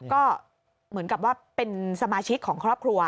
ก็เหมือนกับว่าเป็นสมาชิกของครอบครัว